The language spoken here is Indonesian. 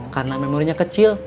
karena memorinya kecil